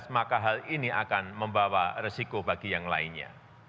maka hal ini akan membawa resiko bagi yang lainnya